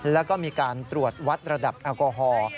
แล้วก็มีการตรวจวัดระดับแอลกอฮอล์